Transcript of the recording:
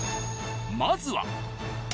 ［まずは］